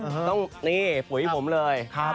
ต้องนี่ปุ๋ยผมเลย